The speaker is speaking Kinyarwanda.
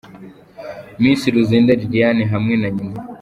Miss Ruzinda Liliane hamwe na nyina.